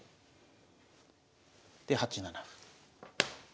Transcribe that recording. で８七歩。